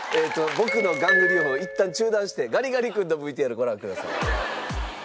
「僕のガングリオン」をいったん中断してガリガリ君のＶＴＲご覧ください。